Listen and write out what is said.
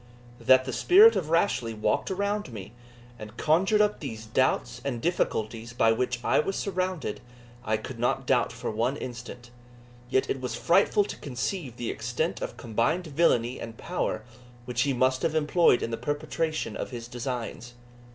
That the spirit of Rashleigh walked around me, and conjured up these doubts and difficulties by which I was surrounded, I could not doubt for one instant; yet it was frightful to conceive the extent of combined villany and power which he must have employed in the perpetration of his designs.